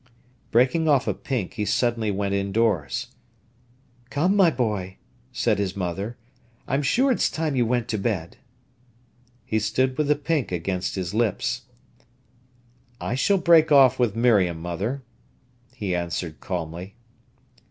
Breaking off a pink, he suddenly went indoors. "Come, my boy," said his mother. "I'm sure it's time you went to bed." He stood with the pink against his lips. "I shall break off with Miriam, mother," he answered calmly.